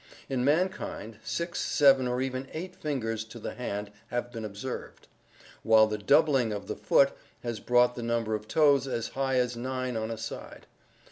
In mankind, six, seven, or even eight fingers to the hand have been observed (see Fig. 16), while the doubling of the foot has brought the number of toes as high as nine on a side.